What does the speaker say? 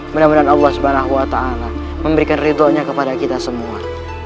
mudah mudahan allah swt memberikan ridhonya kepada kita semua